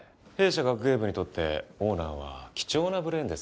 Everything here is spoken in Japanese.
弊社学芸部にとってオーナーは貴重なブレーンですから。